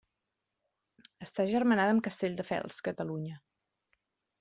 Està agermanada amb Castelldefels, Catalunya.